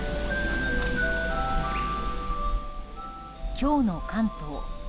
今日の関東。